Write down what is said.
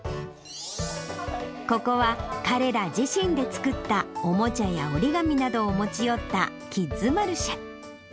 ここは、彼ら自身で作った、おもちゃや折り紙などを持ち寄ったキッズマルシェ。